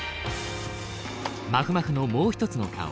まふまふのもう一つの顔。